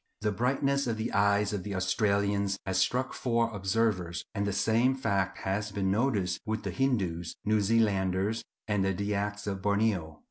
The brightness of the eyes of the Australians has struck four observers, and the same fact has been noticed with Hindoos, New Zealanders, and the Dyaks of Borneo.